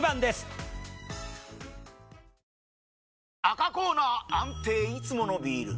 赤コーナー安定いつものビール！